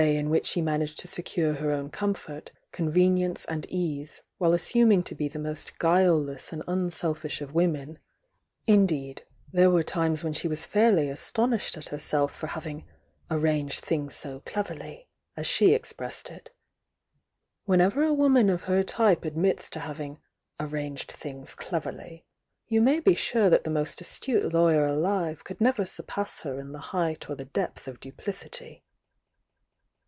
n which she managed to secure her own comfort, convenience and ease while assum ing to be the most guileless and unselfish of women; indeed there were times when she was fairly aston ished at herself for having "arranged things so clev erly, as she expressed it. Whenever a woman of her type admits to having "arranged things clever ly you may be sure that the most astute lawyer ahve could never surpass her in the height or the depth of duplicity.